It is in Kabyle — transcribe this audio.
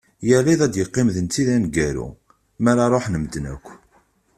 Yal iḍ ad yeqqim d netta i d aneggaru, mi ara ruḥen medden akk.